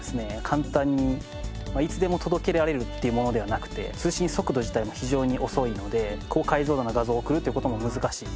簡単にいつでも届けられるっていうものではなくて通信速度自体も非常に遅いので高解像度な画像を送るという事も難しい。